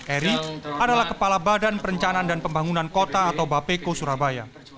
eri adalah kepala badan perencanaan dan pembangunan kota atau bapeko surabaya